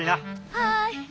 はい！